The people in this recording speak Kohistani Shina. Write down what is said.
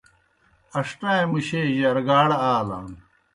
ان٘ݜٹَائیں مُشے جرگاڑ آلان۔